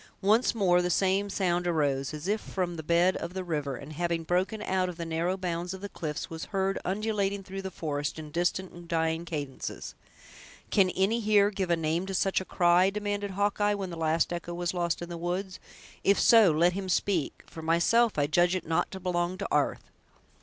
Once more the same sound arose, as if from the bed of the river, and having broken out of the narrow bounds of the cliffs, was heard undulating through the forest, in distant and dying cadences. "Can any here give a name to such a cry?" demanded Hawkeye, when the last echo was lost in the woods; "if so, let him speak; for myself, I judge it not to belong to 'arth!"